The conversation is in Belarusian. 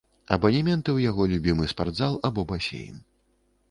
Абанементы ў яго любімы спартзал або басейн.